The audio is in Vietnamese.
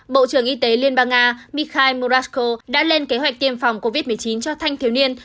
bộ trưởng y tế liên bang nga mikhai morasko đã lên kế hoạch tiêm phòng covid một mươi chín cho thanh thiếu niên